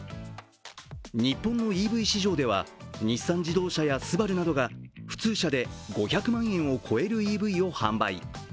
日本のＥＶ市場では日産自動車やＳＵＢＡＲＵなどが普通車で５００万円を超えるＥＶを販売。